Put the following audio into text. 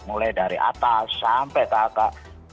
mulai dari atas sampai ke atas